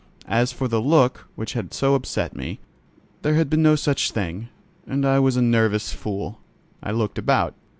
As for the look which had so upset me, there had been no such thing, and I was a nervous fool. I looked about.